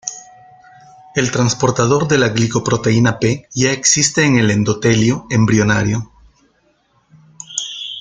El transportador de la glicoproteína P ya existe en el endotelio embrionario.